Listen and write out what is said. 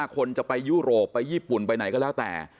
คนจะไปยุโรปไปญี่ปุ่นไปไหนก็แล้วแต่